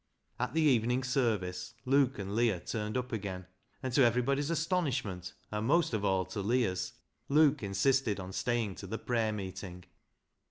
At the evening service Luke and Leah turned up again, and to everybody's astonish ment, and most of all to Leah's, Luke insisted on staying to the prayer meeting.